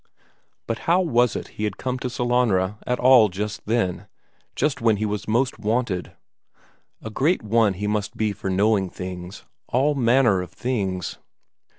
But how was it he had come to Sellanraa at all just then just when he was most wanted? A great one he must be for knowing things, all manner of things.